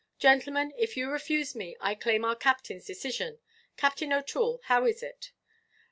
Gentlemen, if you refuse me, I claim our captainʼs decision. Captain OʼToole, how is it?"